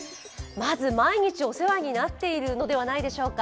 まず毎日お世話になっているのではないでしょうか。